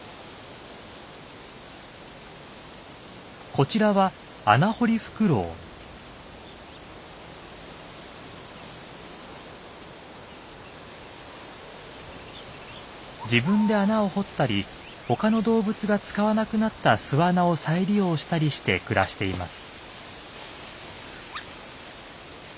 こちらは自分で穴を掘ったり他の動物が使わなくなった巣穴を再利用したりして暮らしています。